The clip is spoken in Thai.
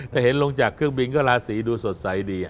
แต่เห็นลงจากเครื่องบินก็ราศีดูสดใสดี